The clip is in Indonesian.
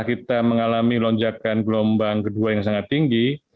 kita mengalami lonjakan gelombang kedua yang sangat tinggi